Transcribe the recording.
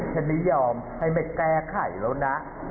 ฉันไม่ยอมให้ไปแก้ไขแล้วนะ